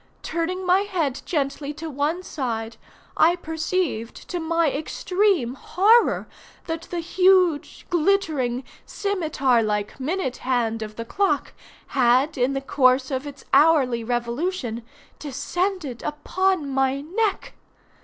Turning my head gently to one side, I perceived, to my extreme horror, that the huge, glittering, scimetar like minute hand of the clock had, in the course of its hourly revolution, descended upon my neck.